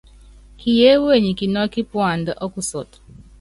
Kiyeéwe nyi kinɔ́kɔ́ kípuandá ɔ́kusɔt.